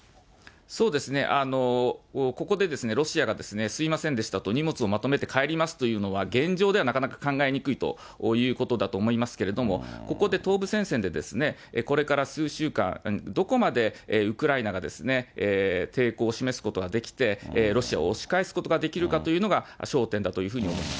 そうですね、ここでロシアがすみませんでしたと、荷物をまとめて帰りますというのは、現状ではなかなか考えにくいということだと思いますけれども、ここで東部戦線で、これから数週間、どこまでウクライナが抵抗を示すことができて、ロシアを押し返すことができるかというのが焦点だというふうに思